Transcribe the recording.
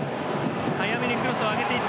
早めにクロスを上げていった。